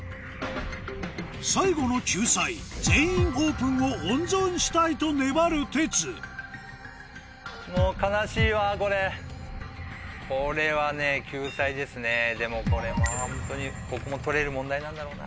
最後の救済「全員オープン」を温存したいと粘るテツこれは救済ですねでもこれまぁホントにここも取れる問題なんだろうな。